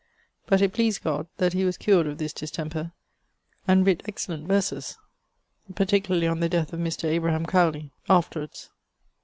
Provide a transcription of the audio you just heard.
But it pleased God that he was cured of this distemper, and writt excellent verses (particularly on the death of Mr. Abraham Cowley) afterwards.